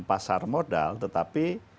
pasar modal tetapi